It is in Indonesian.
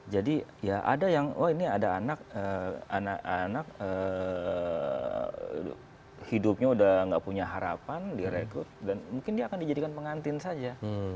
jadi ya ada yang wah ini ada anak anak anak hidupnya udah gak punya harapan di rekrut dan mungkin dia akan dijadikan pengantin saja